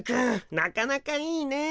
なかなかいいね。